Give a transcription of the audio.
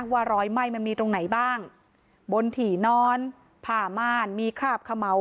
ว่ารอยไหม้มันมีตรงไหนบ้างบนถี่นอนผ้าม่านมีคราบเขม่า